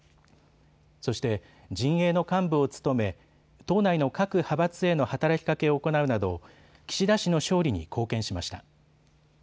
そして陣営の幹部を務め党内の各派閥への働きかけを行うなど、岸田氏の勝利に貢献しました。